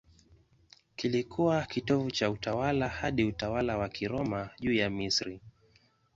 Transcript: Kilikuwa kitovu cha utawala hadi utawala wa Kiroma juu ya Misri.